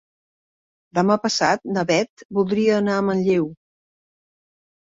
Demà passat na Bet voldria anar a Manlleu.